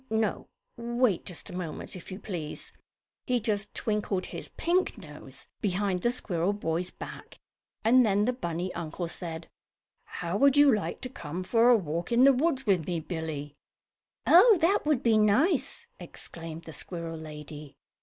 No, wait just a moment if you please. He just twinkled his pink nose behind the squirrel boy's back, and then the bunny uncle said: "How would you like to come for a walk in the woods with me, Billie?" "Oh, that will be nice!" exclaimed the squirrel lady.